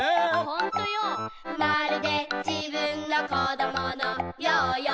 「ほんとよ、まるで自分の小どものようよ」